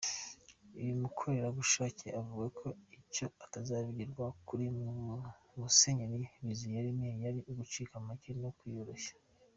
Uyu mukorerabushake, avuga ko icyo atazibagirwa kuri Musenyeri Bimenyimana ari ugucisha make no kwiyoroshya.